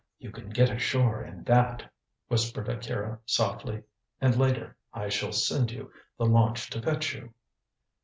"You can get ashore in that," whispered Akira softly; "and, later, I shall send the launch to fetch you."